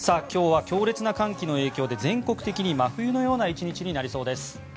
今日は強烈な寒気の影響で全国的に真冬のような１日になりそうです。